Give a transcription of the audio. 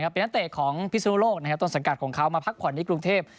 เป็นนักเตะของพิศนุโลกต้นสังกัดของเขามาพักผ่อนที่กรุงเทพ